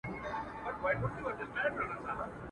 ساړه بادونه له بهاره سره لوبي کوي.